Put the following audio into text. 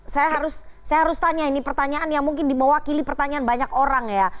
saya harus tanya ini pertanyaan yang mungkin dimewakili pertanyaan banyak orang ya